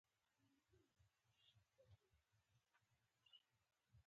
د سکانیا اعتصاب لړۍ ټول برازیل ته وغځېده.